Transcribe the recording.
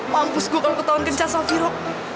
mampus gue kalau ketahuan kencan sofiro